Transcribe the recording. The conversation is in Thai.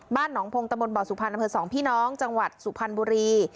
บ้านหนองพงศ์ตมบสุพรรณพศ๒พี่น้องจังหวัดสุพรรณบุรี